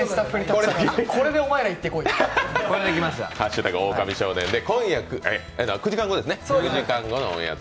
これでお前ら行ってこいと。